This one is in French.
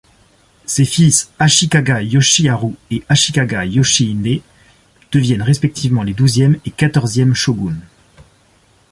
Ses fils Ashikaga Yoshiharu et Ashikaga Yoshihide deviennent respectivement les douzième et quatorzième shoguns.